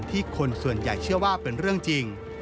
คนส่วนใหญ่เชื่อว่าเป็นเรื่องจริง